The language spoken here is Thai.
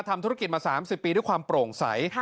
ทำธุรกิจมา๓๐ปีด้วยความโปร่งใส